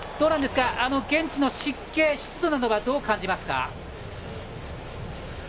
現地の湿気、湿度などはどう感じますか？